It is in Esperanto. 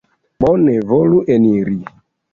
Bone, volu eniri.